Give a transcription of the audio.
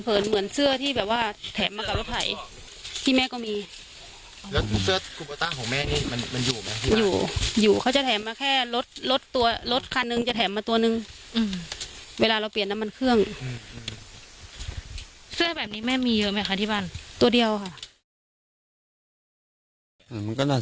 คุ้นไหมคะว่าเสื้อตัวนี้เป็นเสื้อของใครอะไรเราเคยมีใส่ไหมคะ